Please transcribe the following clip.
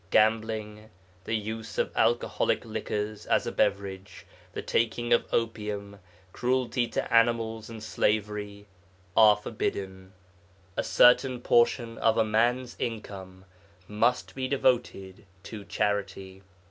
Gambling, the use of alcoholic liquors as a beverage, the taking of opium, cruelty to animals and slavery, are forbidden. A certain portion of a man's income must be devoted to charity.